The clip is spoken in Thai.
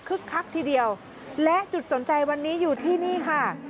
คักทีเดียวและจุดสนใจวันนี้อยู่ที่นี่ค่ะ